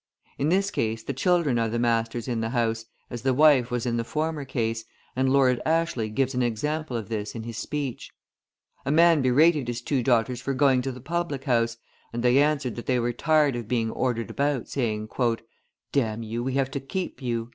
In this case the children are the masters in the house, as the wife was in the former case, and Lord Ashley gives an example of this in his speech: {147b} A man berated his two daughters for going to the public house, and they answered that they were tired of being ordered about, saying, "Damn you, we have to keep you!"